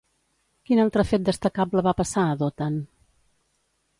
Quin altre fet destacable va passar a Dotan?